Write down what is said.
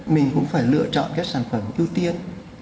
mình cũng phải lựa chọn các sản phẩm ưu tiên